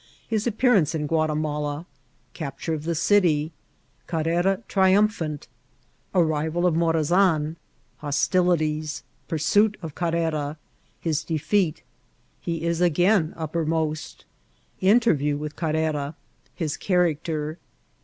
* Hia Appearance in Onatiuala.— Capture of the Citj.— Catren TriunphanL— Airival of Morazan. — Hoaiilities.— Puraoit of Caneca.— His Defeat rHe is again nppennost— Intemew with Carrera.— His Character.